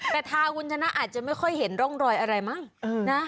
แต่ทาคุณชนะอาจจะไม่ค่อยเห็นร่องรอยอะไรมั้งนะ